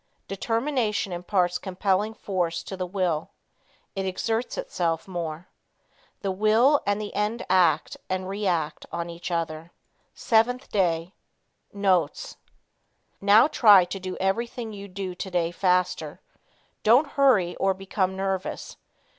Determination imparts compelling force to the will. It exerts itself more. The will and the end act and react on each other. 7th Day. Notes. Now try to do everything you do today faster. Don't hurry or become nervous.